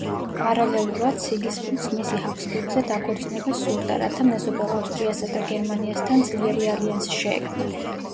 პარალელურად, სიგიზმუნდს მისი ჰაბსბურგზე დაქორწინება სურდა, რათა მეზობელ ავსტრიასა და გერმანიასთან ძლიერი ალიანსი შეექმნა.